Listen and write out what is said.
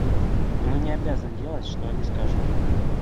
Мы не обязаны делать, что они скажут.